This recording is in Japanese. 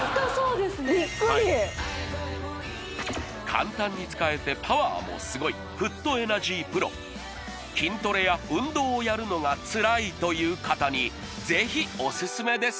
簡単に使えてパワーもすごいフットエナジーＰＲＯ筋トレや運動をやるのがつらいという方にぜひオススメです